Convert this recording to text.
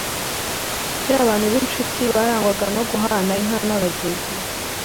Kera abantu b’inshuti barangwaga no guhana inka n’abageni.